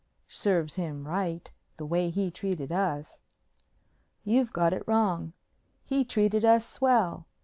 "Serves him right. The way he treated us." "You've got it wrong. He treated us swell.